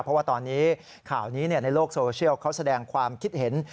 เพราะว่าตอนนี้ข่าวนี้ในโลกโซเชียลเขาแสดงความคิดเห็น